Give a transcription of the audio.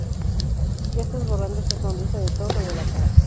Ya estás borrando esa sonrisa de tonto de la cara